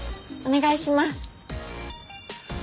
お願いします。